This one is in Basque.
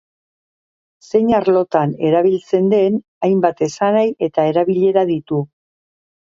Zein arlotan erabiltzen den, hainbat esanahi eta erabilera ditu.